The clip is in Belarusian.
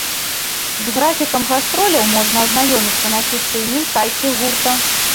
З графікам гастроляў можна азнаёміцца на афіцыйным сайце гурта.